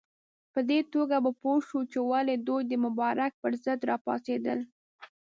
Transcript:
په دې توګه به پوه شو چې ولې دوی د مبارک پر ضد راپاڅېدل.